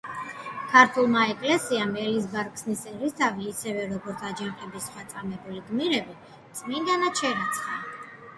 ქართულმა ეკლესიამ ელიზბარ ქსნის ერისთავი ისევე, როგორც აჯანყების სხვა წამებული გმირები, წმინდანად შერაცხა.